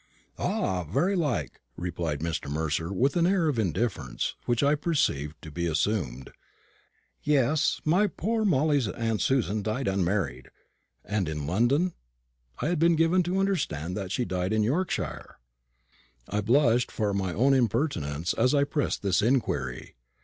"Ah, very like," replied Mr. Mercer, with an air of indifference, which I perceived to be assumed. "Yes, my poor Molly's aunt Susan died unmarried." "And in London? I had been given to understand that she died in Yorkshire." I blushed for my own impertinence as I pressed this inquiry.